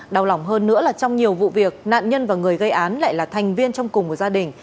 đau lòng hơn nữa là trong nhiều vụ việc nạn nhân và người gây án lại là thành viên trong cùng một gia đình